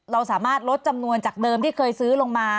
เราสามารถลดจำนวนจากเดิมที่เคยซื้อลงมา